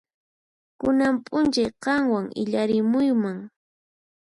Kunan p'unchay qanwan illarimuyman.